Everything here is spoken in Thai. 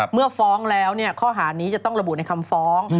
เมื่อฟ้องแล้วข้อหานี้จะต้องระบุในคำฟ้อง